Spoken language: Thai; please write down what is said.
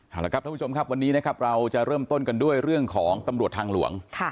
เอาละครับท่านผู้ชมครับวันนี้นะครับเราจะเริ่มต้นกันด้วยเรื่องของตำรวจทางหลวง